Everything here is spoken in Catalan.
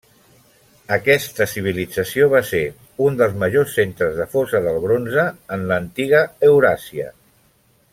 Aquesta civilització va ser un dels majors centres de fosa del bronze en l'antiga Euràsia.